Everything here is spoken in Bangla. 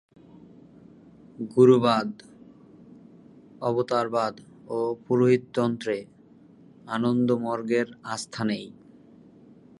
গুরুবাদ, অবতারবাদ ও পুরোহিততন্ত্রে আনন্দমার্গের আস্থা নেই।